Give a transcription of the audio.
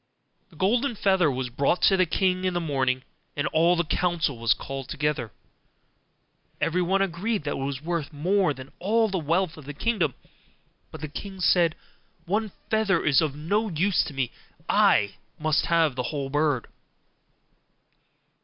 The golden feather was brought to the king in the morning, and all the council was called together. Everyone agreed that it was worth more than all the wealth of the kingdom: but the king said, 'One feather is of no use to me, I must have the whole bird.